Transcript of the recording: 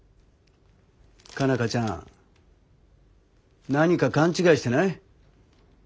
佳奈花ちゃん何か勘違いしてない？